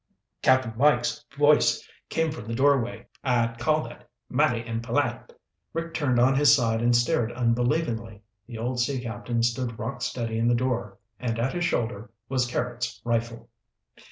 Cap'n Mike's voice came from the doorway. "I'd call that mighty impolite!" Rick turned on his side and stared unbelievingly. The old sea captain stood rock steady in the door, and at his shoulder was Carrots' rifle.